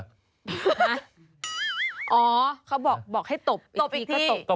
อ๋อเค้าบอกให้ตบอีกทีก็ตบ